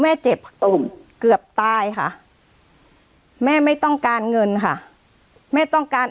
แม่เจ็บตุ้มเกือบตายค่ะแม่ไม่ต้องการเงินค่ะแม่ต้องการ